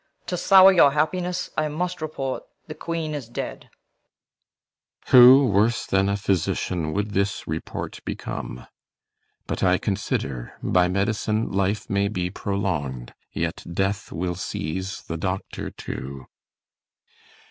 To sour your happiness I must report The Queen is dead. CYMBELINE. Who worse than a physician Would this report become? But I consider By med'cine'life may be prolong'd, yet death Will seize the doctor too.